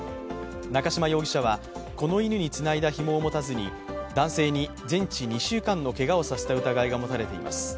中島容疑者はこの犬につないだひもを持たずに男性に全治２週間のけがをさせた疑いが持たれています。